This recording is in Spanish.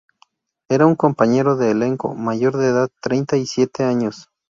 Era un compañero de elenco; mayor de edad, treinta y siete años.